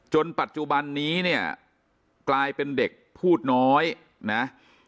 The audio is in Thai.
ปัจจุบันนี้เนี่ยกลายเป็นเด็กพูดน้อยนะ